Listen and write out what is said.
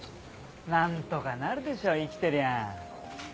何とかなるでしょ生きてりゃ。